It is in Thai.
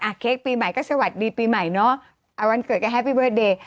เค้กปีใหม่ก็สวัสดีปีใหม่เนอะวันเกิดก็แฮปปี้เบิร์ดเดย์